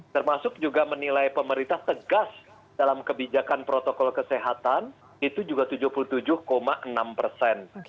termasuk juga menilai pemerintah tegas dalam kebijakan protokol kesehatan itu juga tujuh puluh tujuh enam persen